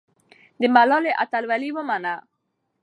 د ملالۍ اتلولي ومنه.